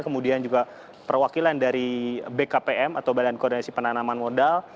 kemudian juga perwakilan dari bkpm atau badan koordinasi penanaman modal